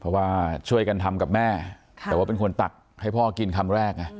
เพราะว่าช่วยกันทำกับแม่แต่ว่าเป็นคนตักให้พ่อกินคำแรกไง